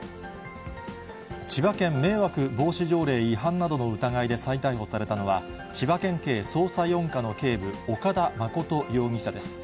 千葉県迷惑防止条例違反などの疑いで再逮捕されたのは、千葉県警捜査４課の警部、岡田誠容疑者です。